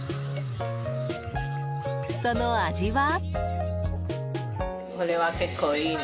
その味は？